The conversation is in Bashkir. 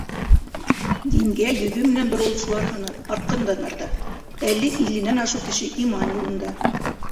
Дингә йөҙө менән боролоусылар һаны артҡандан-арта, әле илленән ашыу кеше иман юлында.